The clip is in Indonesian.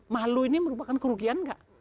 mahluk ini merupakan kerugian gak